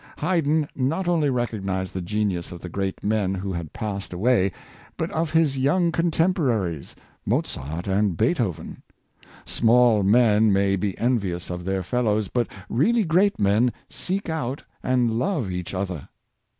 " Haydn not only recognized the genius of the great men who had passed away, but of his young contem poraries, Mozart and Beethoven. Small men may be envious of their fellows, but really great men seek out and love each other.